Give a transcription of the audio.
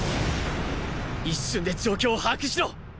一瞬で状況を把握しろ！